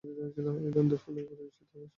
এই দ্বন্দের ফলে পরিবেশ তার ভারসাম্য হারায়।